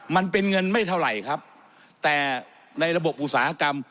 มันเป็นเงินไม่เท่าไหร่ครับแต่ในระบบอุตสาหกรรม